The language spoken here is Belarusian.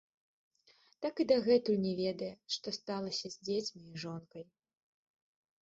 Так і дагэтуль не ведае, што сталася з дзецьмі і жонкай.